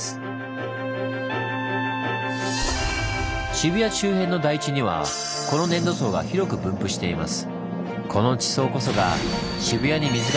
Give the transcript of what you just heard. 渋谷周辺の台地にはこの粘土層が広く分布しています。